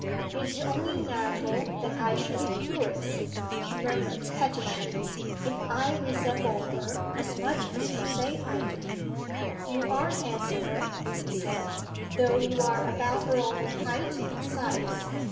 'It is only natural that I should be curious,' she murmured pettishly, 'if I resemble her as much as you say I do.' 'You are handsomer,' he said, 'though you are about her own height and size.